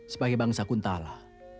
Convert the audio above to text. sebagai bangsa kuntala